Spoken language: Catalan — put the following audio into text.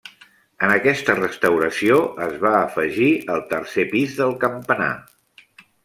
En aquesta restauració es va afegir el tercer pis del campanar.